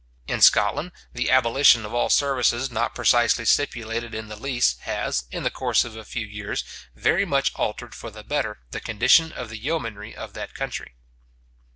In Scotland the abolition of all services not precisely stipulated in the lease, has, in the course of a few years, very much altered for the better the condition of the yeomanry of that country.